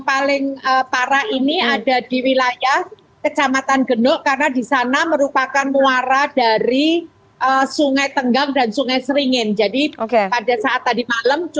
pagi itu berbeda mungkin juga saya memberikan tepat until berikut kesempatan berikutnya